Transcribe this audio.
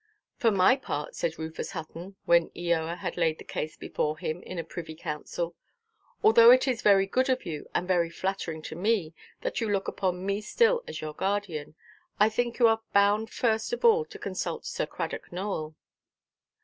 "For my part," said Rufus Hutton, when Eoa had laid the case before him in a privy council, "although it is very good of you, and very flattering to me, that you look upon me still as your guardian, I think you are bound first of all to consult Sir Cradock Nowell."